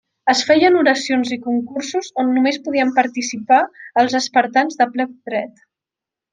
Es feien oracions i concursos on només podien participar els espartans de ple dret.